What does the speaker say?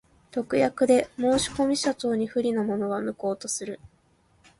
特約で申込者等に不利なものは、無効とする。